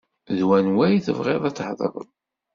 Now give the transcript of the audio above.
D wanwa tebɣiḍ ad thdreḍ?